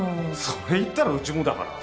それ言ったらうちもだから。